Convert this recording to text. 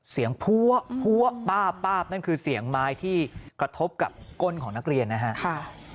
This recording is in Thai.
เสียงพัวพัวป้าป้าป้านั่นคือเสียงไม้ที่กระทบกับก้นของนักเรียนนะฮะ